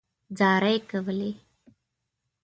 زارۍ کولې.